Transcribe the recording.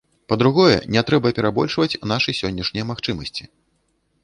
Па-другое, не трэба перабольшваць нашы сённяшняя магчымасці.